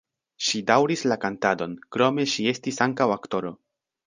Ŝi daŭris la kantadon, krome ŝi estis ankaŭ aktoro.